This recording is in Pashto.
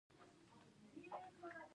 توکي د خلکو له اړتیاوو څخه زیات تولیدېږي